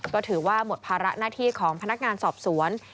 ก็ถือว่าหมดภาระหน้าที่ของพนักงานสอบสวน